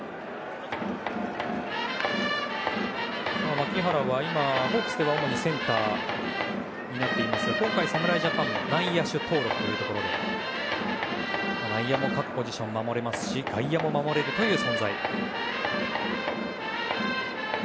牧原はホークスでは主にセンターを担っていますが今回、侍ジャパンでは内野手登録ということで内野も各ポジション守れるし外野も守れるという存在。